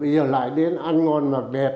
bây giờ lại đến ăn ngon mặc đẹp